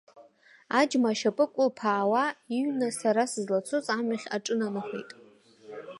Аџьма ашьапы кәылԥаауа, иҩны сара сызлацоз амҩахь аҿынанахеит.